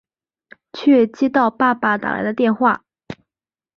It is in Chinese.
却接到爸爸打来的电话